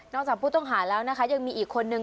นอกจากผู้ต้องหาแล้วยังมีอีกคนนึง